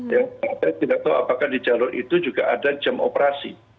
saya tidak tahu apakah di jalur itu juga ada jam operasi